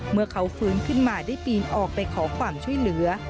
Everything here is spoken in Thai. เมื่อเขาฟื้นขึ้นมาได้ปีนออกไปขอความช่วยเหลือ